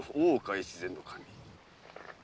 越前守。